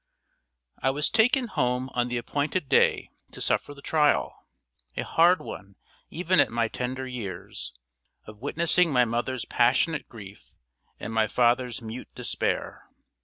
I was taken home on the appointed day to suffer the trial a hard one even at my tender years of witnessing my mother's passionate grief and my father's mute despair.